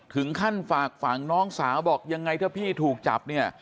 ถึงขั้นฝากฝั่งน้องสาวบอกยังไงถ้าพี่ถูกจับ